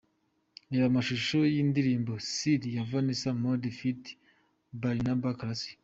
Reba amashusho y'indirimbo 'Siri' ya Vanessa Mdee ft Barnaba Classic .